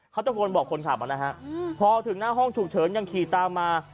เขาตะโกนบอกคนขับนะฮะพอถึงหน้าห้องฉุกเฉินยังขี่ตามมา